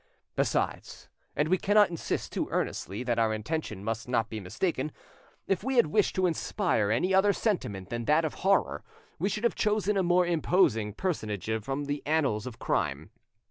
Besides, and we cannot insist too earnestly that our intention must not be mistaken, if we had wished to inspire any other sentiment than that of horror, we should have chosen a more imposing personage from the annals of crime.